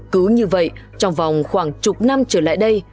cứ như vậy trong vòng khoảng chục năm trở lại đây